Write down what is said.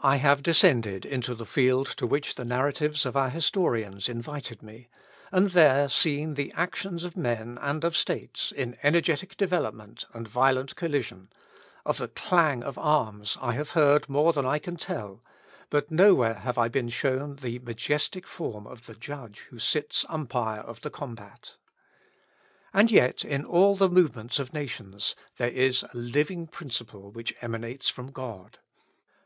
I have descended into the field to which the narratives of our historians invited me, and there seen the actions of men and of states in energetic development and violent collision: of the clang of arms, I have heard more than I can tell; but no where have I been shown the majestic form of the Judge who sits umpire of the combat. And yet in all the movements of nations, there is a living principle which emanates from God.